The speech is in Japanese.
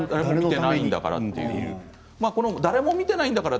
誰も見ていないんだから。